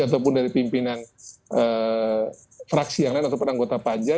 ataupun dari pimpinan fraksi yang lain ataupun anggota panja